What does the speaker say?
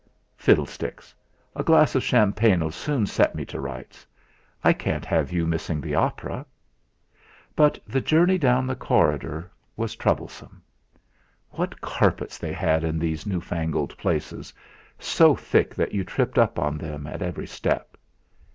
"Fiddlesticks! A glass of champagne'll soon set me to rights. I can't have you missing the opera." But the journey down the corridor was troublesome. What carpets they had in these newfangled places, so thick that you tripped up in them at every step!